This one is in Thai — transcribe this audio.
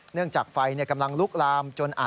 เนื่องจากไฟกำลังลุกลามเจ้าหน้าที่ต้องเข้ามาฉีดน้ำ